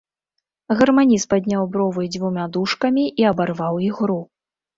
Гарманіст падняў бровы дзвюма дужкамі і абарваў ігру.